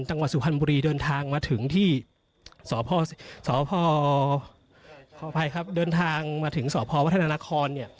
ตั้งว่าสุพรรณบุรีเดินทางมาถึงที่สอพวัฒนานาคอน